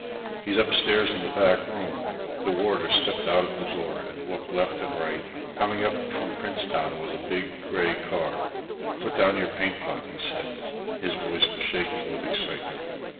"He's upstairs in the back room." The warder stepped out of the door and looked left and right. Coming up from Princetown was a big, grey car. "Put down your paint pot," he said. His voice was shaking with excitement.